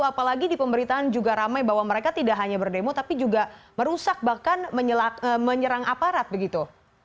apalagi di pemberitaan juga ramai bahwa mereka tidak hanya berdemo tapi juga merusak bahkan menyerang aparat begitu